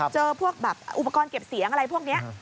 เจอพวกแบบอุปกรณ์เก็บเสียงอะไรพวกนี้